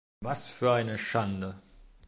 Was für eine Schande!